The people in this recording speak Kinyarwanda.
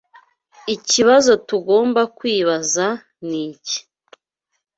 Ikibazo tugomba kwibaza ni iki: